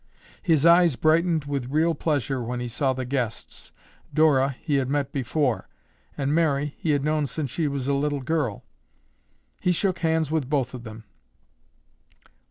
His eyes brightened with real pleasure when he saw the guests. Dora, he had met before, and Mary he had known since she was a little girl. He shook hands with both of them.